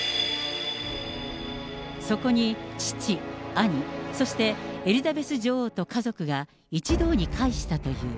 そこに父、兄、そしてエリザベス女王と家族が一堂に会したという。